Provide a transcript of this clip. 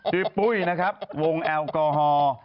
ปุ้ยนะครับวงแอลกอฮอล์